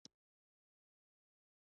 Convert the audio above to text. چین اقتصادي معیارونه لوړ کړي.